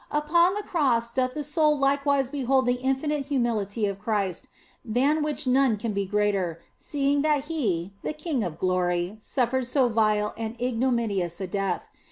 Upon the Cross doth the soul likewise behold the in finite humility of Christ, than which none can be greater, seeing that He, the King of Glory, suffered so vile and ignominious a death.